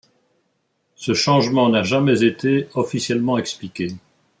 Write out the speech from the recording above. Ce changement n'a jamais été officiellement expliqué.